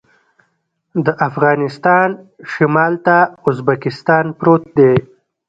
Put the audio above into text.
د افغانستان شمال ته ازبکستان پروت دی